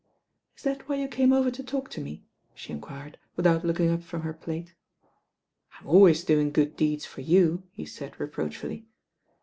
"Is that why you came over to talk to me?" she enquired without looking up from her plate. "I'm always doing good deeds for you," he said reproachfully.